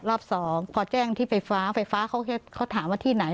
รอบสองพอแจ้งที่ไฟฟ้าไฟฟ้าเขาถามว่าที่ไหน